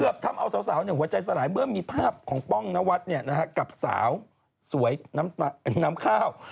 ทำเอาสาวหัวใจสลายเมื่อมีภาพของป้องนวัดกับสาวสวยน้ำข้าว